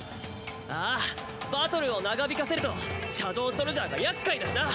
ああバトルを長引かせるとシャドウソルジャーが厄介だしな。